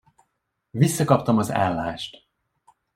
Visszakaptam az állást.